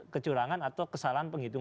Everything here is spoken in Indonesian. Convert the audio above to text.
kecurangan atau kesalahan penghitungan